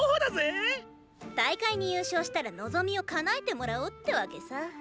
大会に優勝したら望みを叶えて貰おうってわけさ。